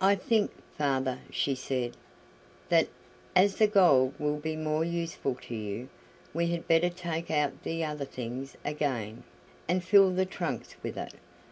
"I think, father," she said, "that, as the gold will be more useful to you, we had better take out the other things again, and fill the trunks with it."